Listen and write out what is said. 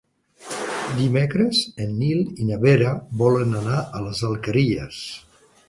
Dimecres en Nil i na Vera volen anar a les Alqueries.